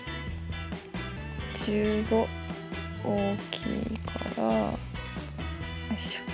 １５大きいからうんしょ。